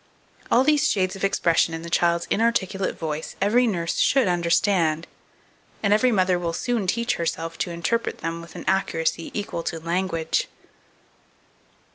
All these shades of expression in the child's inarticulate voice every nurse should understand, and every mother will soon teach herself to interpret them with an accuracy equal to language.